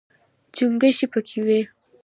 چونګښې پکې وي.